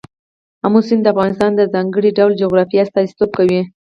آمو سیند د افغانستان د ځانګړي ډول جغرافیه استازیتوب کوي.